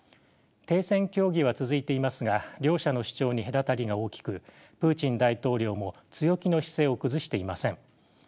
停戦協議は続いていますが両者の主張に隔たりが大きくプーチン大統領も強気の姿勢を崩していません。